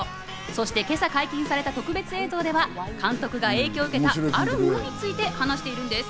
そして今朝解禁された特別映像では監督が影響を受けたあるものについて話しているんです。